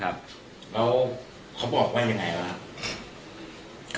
แต่ก็คิดว่าเป็นใครหรอก